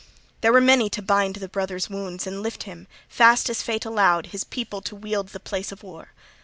There were many to bind the brother's wounds and lift him, fast as fate allowed his people to wield the place of war.